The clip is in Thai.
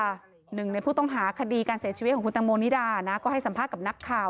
หนึ่งในผู้ต้องหาคดีการเสียชีวิตของคุณตังโมนิดานะก็ให้สัมภาษณ์กับนักข่าว